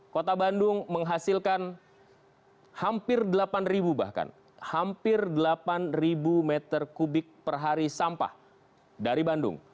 kota bandung menghasilkan hampir delapan meter kubik per hari sampah dari bandung